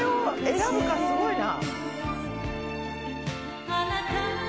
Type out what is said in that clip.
選ぶかすごいな。